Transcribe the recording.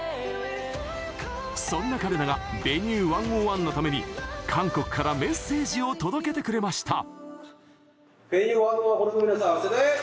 そんな彼らが「Ｖｅｎｕｅ１０１」のために韓国からメッセージを届けてくれました。